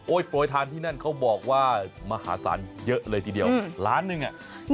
โปรยทานที่นั่นเขาบอกว่ามหาศาลเยอะเลยทีเดียวล้านหนึ่งอ่ะ